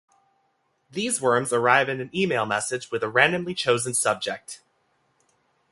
These worms arrive in an email message with a randomly chosen subject.